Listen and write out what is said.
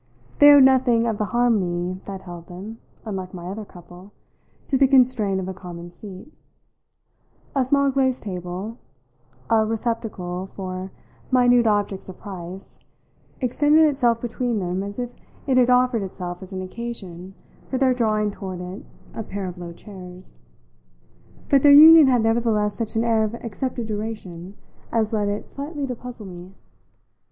They owed nothing of the harmony that held them unlike my other couple to the constraint of a common seat; a small glazed table, a receptacle for minute objects of price, extended itself between them as if it had offered itself as an occasion for their drawing toward it a pair of low chairs; but their union had nevertheless such an air of accepted duration as led it slightly to puzzle me.